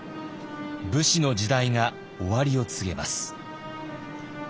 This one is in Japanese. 武士の時代が終わりを告げます。